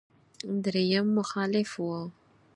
درېيم مخالف و.